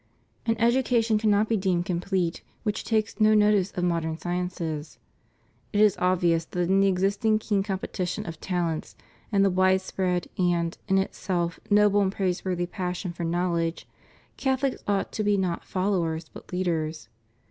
An education cannot be deemed complete which takes no notice of modern sciences. It is obvious that in the existing keen competition of talents, and the widespread and, in itself, noble and praiseworthy passion for knowledge. Catholics ought to be not followers but leaders.